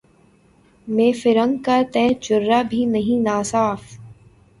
مے فرنگ کا تہ جرعہ بھی نہیں ناصاف